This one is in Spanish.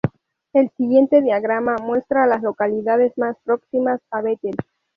El siguiente diagrama muestra a las localidades más próximas a Bethel.